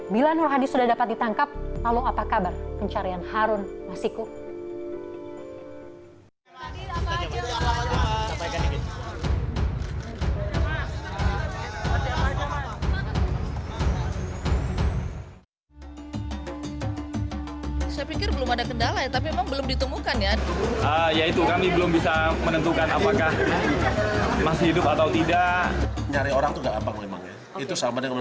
bila nur hadi sudah dapat ditangkap lalu apa kabar pencarian harun masiku